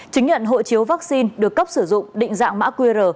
chứng nhận hộ chiếu vaccine được cấp sử dụng định dạng mã qr